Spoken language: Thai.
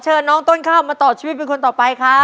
เชิญน้องต้นข้าวมาต่อชีวิตเป็นคนต่อไปครับ